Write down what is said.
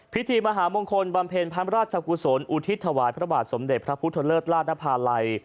พิธีมหามงคลบำเพ็ญพระราชกุศลอุทิศถวายพระบาทสมเด็จพระพุทธเลิศลานภาลัย